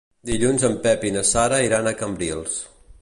Dilluns en Pep i na Sara iran a Cambrils.